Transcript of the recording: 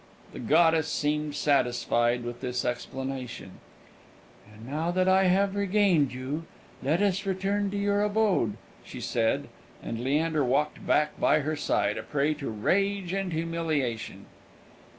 The goddess seemed satisfied with this explanation. "And now that I have regained you, let us return to your abode," she said; and Leander walked back by her side, a prey to rage and humiliation.